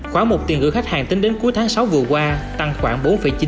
khoảng một tiền gửi khách hàng tính đến cuối tháng sáu vừa qua tăng khoảng bốn chín